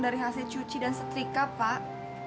dari hasil cuci dan setrika pak